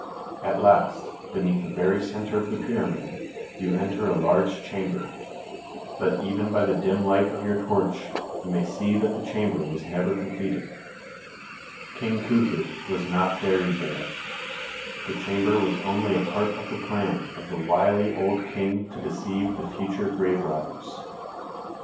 At last, beneath the very centre of the pyramid, you enter a large chamber, but even by the dim light of your torch you may see that the chamber was never completed. King Khufu was not buried u. 3 a E OJ L. o THE PYRAMID OF KHUFU 15 there. The chamber was only a part of the plan of the wily old King to deceive the future grave robbers.